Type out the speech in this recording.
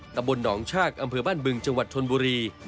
ตำบลหนองชากอำเภอบ้านบึงจังหวัดชนบุรี